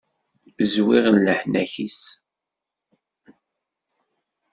Zwiɣen leḥnak-is.